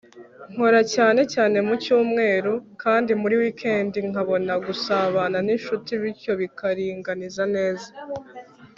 nkora cyane cyane mu cyumweru, kandi muri wikendi nkabona gusabana n'inshuti, bityo bikaringaniza neza